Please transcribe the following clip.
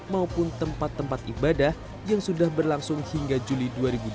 maupun tempat tempat ibadah yang sudah berlangsung hingga juli dua ribu dua puluh